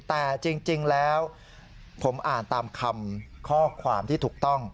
แต่จริงแล้วผมอ่านตามคำข้อความที่ถูกต้อง